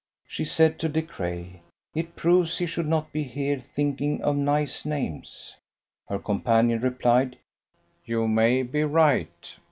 She said to De Craye. "It proves he should not be here thinking of nice names." Her companion replied, "You may be right."